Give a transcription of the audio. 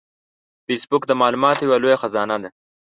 فېسبوک د معلوماتو یو لوی خزانه ده